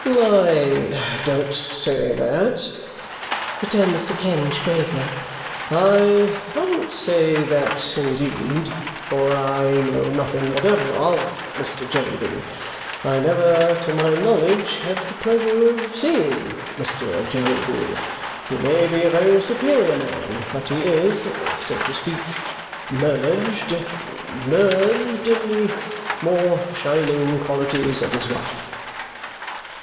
"I don't say that," returned Mr. Kenge gravely. "I can't say that, indeed, for I know nothing whatever OF Mr. Jellyby. I never, to my knowledge, had the pleasure of seeing Mr. Jellyby. He may be a very superior man, but he is, so to speak, merged merged in the more shining qualities of his wife."